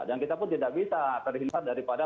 dan kita pun tidak bisa terhintar daripada